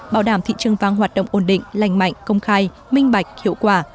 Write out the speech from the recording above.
bảo đảm thị trường vàng hoạt động ổn định lành mạnh công khai minh bạch hiệu quả